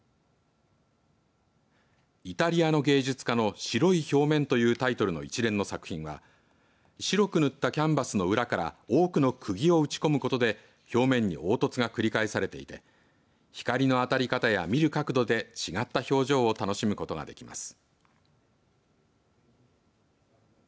イタリアの芸術家の白い表面というタイトルの一連の作品は白く塗ったキャンバスの裏から多くのくぎを打ち込むことで表面に凹凸が繰り返されていて光の当たり方や見る角度で違った表情を楽しむことができます。